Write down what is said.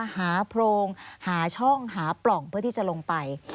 โพรงหาช่องหาปล่องเพื่อที่จะลงไป